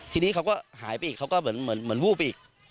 ทีนี้เขาก็หายไปอีกเขาก็เหมือนวูบอีก